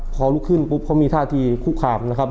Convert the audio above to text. พอลุกขึ้นปุ๊บเขามีท่าทีคุกคามนะครับ